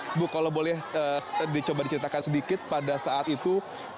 ibu kalau boleh dicoba diceritakan sedikit pada saat itu